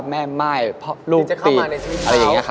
แม่ม่ายเพราะลูกปีก